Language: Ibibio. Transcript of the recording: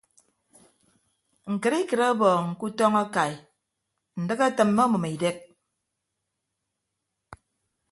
Ñkịtikịt ọbọọñ ke utọñ akai ndịk etịmme ọmʌm idek.